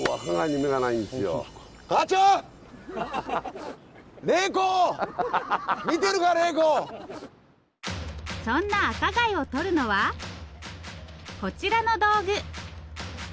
そんな赤貝をとるのはこちらの道具。